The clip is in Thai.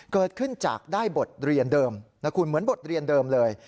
เกิดขึ้นจากได้บทเรียนเดิมนะคุณเหมือนบทเรียนเดิมเลย